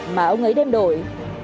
mà ông ấy đem đổi